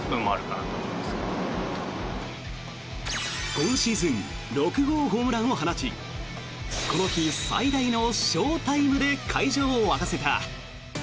今シーズン６号ホームランを放ちこの日最大のショータイムで会場を沸かせた。